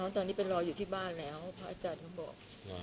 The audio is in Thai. ตอนนี้ไปรออยู่ที่บ้านแล้วพระอาจารย์ก็บอก